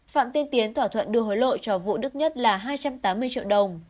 phạm tiên tiến thỏa thuận đưa hối lộ cho vũ đức nhất là hai trăm tám mươi triệu đồng